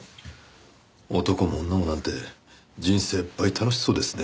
男も女もなんて人生倍楽しそうですね。